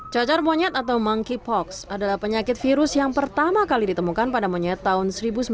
cacar monyet atau monkeypox adalah penyakit virus yang pertama kali ditemukan pada monyet tahun seribu sembilan ratus sembilan puluh